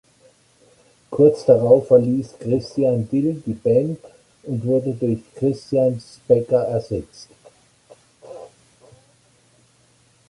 Kurz darauf verließ Christian Dill die Band und wurde durch Christian Specker ersetzt.